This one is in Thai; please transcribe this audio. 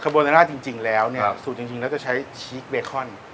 คาร์โบนาราจริงแล้วสูตรจริงแล้วจะใช้ชีกเบคอน